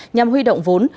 nhằm huy động vốn